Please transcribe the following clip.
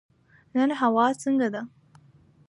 نن هوا څنګه ده؟